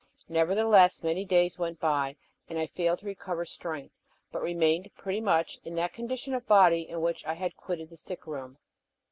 Nevertheless, many days went by, and I failed to recover strength, but remained pretty much in that condition of body in which I had quitted the sick room.